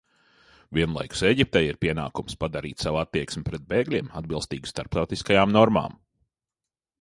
Vienlaikus Ēģiptei ir pienākums padarīt savu attieksmi pret bēgļiem atbilstīgu starptautiskajām normām.